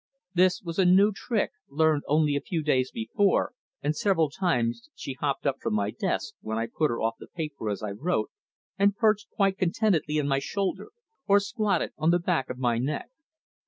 This was a new trick, learned only a few days before, and several times she hopped up from my desk, when I put her off the paper as I wrote, and perched quite contentedly on my shoulder or squatted on the back of my neck.